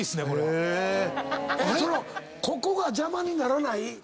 ここが邪魔にならない？